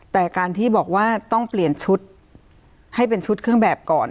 แต่การที่บอกว่าต้องเปลี่ยนชุดให้เป็นชุดเครื่องแบบก่อน